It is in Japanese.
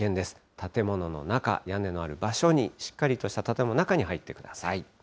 建物の中、屋根のある場所に、しっかりとした建物の中に入ってください。